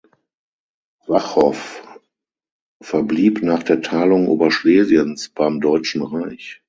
Wachow verblieb nach der Teilung Oberschlesiens beim Deutschen Reich.